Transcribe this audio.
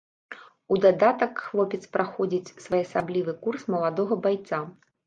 У дадатак хлопец праходзіць своеасаблівы курс маладога байца.